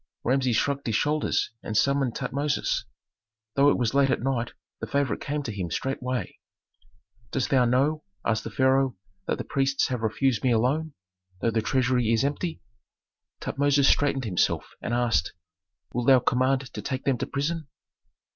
Rameses shrugged his shoulders and summoned Tutmosis. Though it was late at night the favorite came to him straightway. "Dost thou know," asked the pharaoh, "that the priests have refused me a loan, though the treasury is empty?" Tutmosis straightened himself, and asked, "Wilt thou command to take them to prison?"